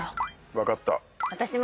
分かった。